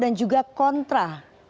dan juga kontra